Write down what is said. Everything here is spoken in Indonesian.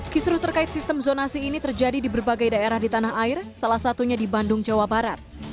kisru terkait sistem zonasi ini terjadi di berbagai daerah di tanah air salah satunya di bandung jawa barat